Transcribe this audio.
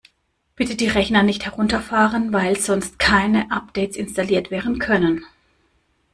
Bitte die Rechner nicht herunterfahren, weil sonst keine Updates installiert werden können!